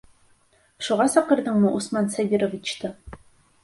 Шуға саҡырҙыңмы Усман Сабировичты?